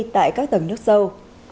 tại các tầng nước sâu